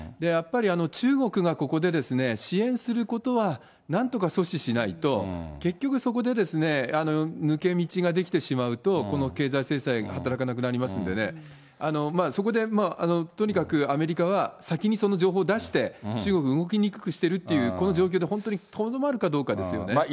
やっぱり、中国がここで支援することは、なんとか阻止しないと、結局、そこで抜け道が出来てしまうと、この経済制裁が働かなくなりますんでね、そこでとにかくアメリカは先にその情報を出して、中国動きにくくしてるっていう、この状況で、本当にとどまるかどうかですよね。